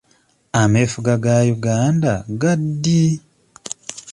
Ameefuga ga Uganda ga ddi?